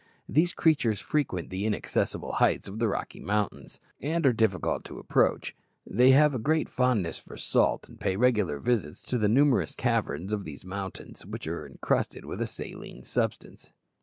These creatures frequent the inaccessible heights of the Rocky Mountains, and are difficult to approach. They have a great fondness for salt, and pay regular visits to the numerous caverns of these mountains, which are encrusted with a saline substance.